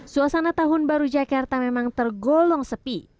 suasana tahun baru jakarta memang tergolong sepi